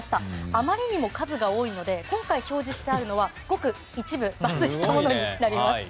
あまりにも数が多いので今回表示してあるのはごく一部抜粋したものになります。